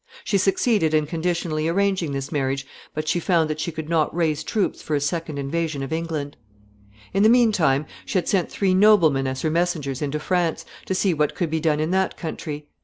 She succeeded in conditionally arranging this marriage, but she found that she could not raise troops for a second invasion of England. [Sidenote: Messengers sent to France.] In the mean time, she had sent three noblemen as her messengers into France, to see what could be done in that country.